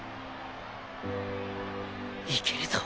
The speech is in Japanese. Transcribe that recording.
行けるぞ！